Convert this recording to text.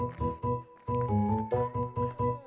ibunya neng bunga mana kan yang telepon saya ibu